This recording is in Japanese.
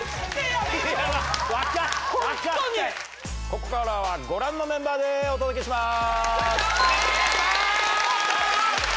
ここからはご覧のメンバーでお届けします！